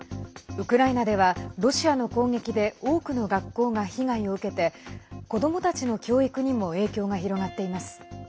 ウクライナではロシアの攻撃で多くの学校が被害を受けて子どもたちの教育にも影響が広がっています。